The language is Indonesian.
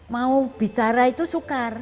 mau bicara itu sukar